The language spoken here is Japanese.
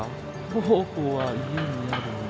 候補は家にあるもの